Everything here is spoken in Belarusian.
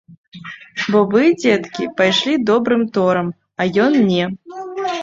Бо вы, дзеткі, пайшлі добрым торам, а ён не.